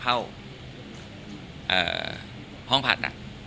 คือห้อภาษณะ